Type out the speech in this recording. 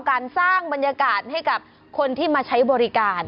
การสร้างบรรยากาศให้กับคนที่มาใช้บริการ